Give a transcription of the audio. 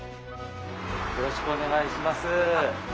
よろしくお願いします。